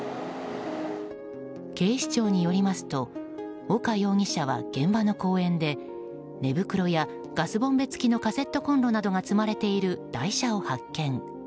警視庁によりますと岡容疑者は現場の公園で寝袋やガスボンベ付きのカセットコンロなどが積まれている台車を発見。